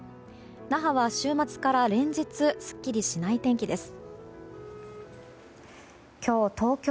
那覇は週末から連日すっきりしない天気です。